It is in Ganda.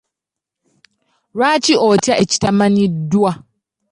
Lwaki otya ekitamanyiddwa?